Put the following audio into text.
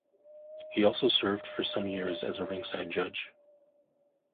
He also served for some years as a ringside judge.